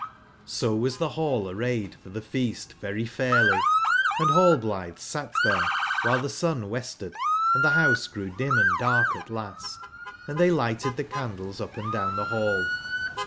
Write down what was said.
O was thehallarrayedf orthef eastvery fairly, & Rallblithe sat there while the sun westered and the House grew dim, and dark at last, and they lighted the candles up & down the hall.